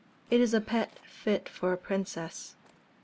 It is a pet fit for a princess.